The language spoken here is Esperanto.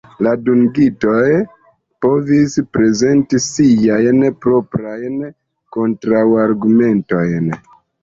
La dungitoj povis prezenti siajn proprajn kontraŭargumentojn.